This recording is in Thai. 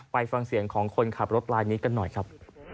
ไปฟังเสียงของคนขับรถลายนี้กันหน่อยครับ